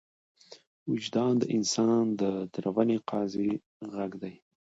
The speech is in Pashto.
وجدان د انسان د دروني قاضي غږ دی.